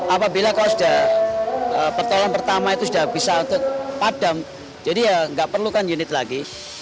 apabila kalau sudah pertolongan pertama itu sudah bisa untuk padam jadi ya nggak perlu kan unit lagi